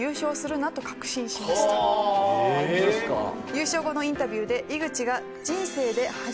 「優勝後のインタビューで井口が」。